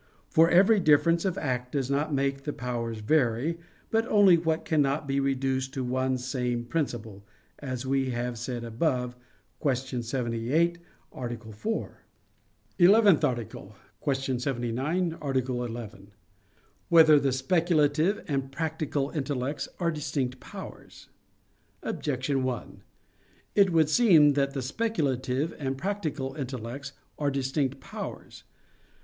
For every difference of acts does not make the powers vary, but only what cannot be reduced to the one same principle, as we have said above (Q. 78, A. 4). _______________________ ELEVENTH ARTICLE [I, Q. 79, Art. 11] Whether the Speculative and Practical Intellects Are Distinct Powers? Objection 1: It would seem that the speculative and practical intellects are distinct powers.